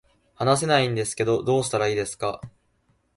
話せないんですけど、どうしたらいいですか